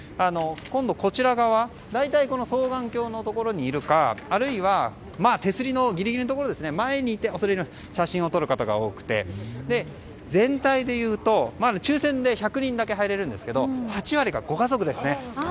今度、こちら側大体、双眼鏡のところにいるかあるいは手すりギリギリのところ前に行って写真を撮る方が多くて全体でいうと、抽選で１００人だけ入れるんですけど８割が、ご家族ですね。